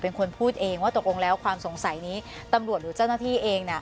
เป็นคนพูดเองว่าตกลงแล้วความสงสัยนี้ตำรวจหรือเจ้าหน้าที่เอง